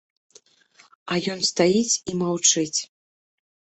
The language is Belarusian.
А ён стаіць і маўчыць.